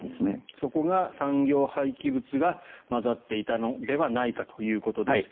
そこが産業廃棄物が混ざっていたのではないかということですが。